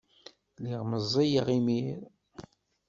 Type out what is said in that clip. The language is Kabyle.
Lliɣ meẓẓiyeɣ imir.